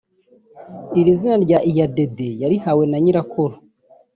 Iri zina rya Iyadede yarihawe na nyirakuru